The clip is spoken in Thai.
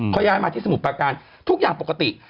เขาย้ายมาที่สมุทรประการทุกอย่างปกติ